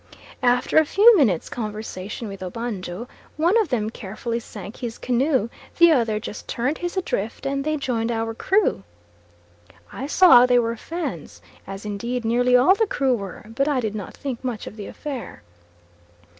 After a few minutes' conversation with Obanjo one of them carefully sank his canoe; the other just turned his adrift and they joined our crew. I saw they were Fans, as indeed nearly all the crew were, but I did not think much of the affair.